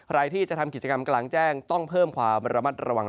ใครที่จะทำกิจกรรมกลางแจ้งต้องเพิ่มความระมัดระวัง